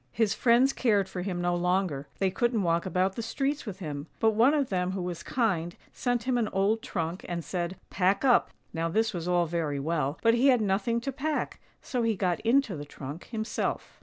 His friends cared for him no longer, they couldn't walk about the streets with him; but one of them who was kind sent him an old trunk, and said, " Pack up." Now this was all very well, but he had nothing to pack, so he got into the trunk himself.